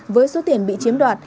với số tiền bị chiếm đoạt